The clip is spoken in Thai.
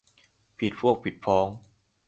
ผิดพวกผิดพ้อง